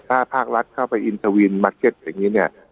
ถ้าภาครัฐเข้าไปอินทวินมาร์เก็ตอย่างนี้เนี่ย